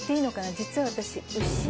実は私。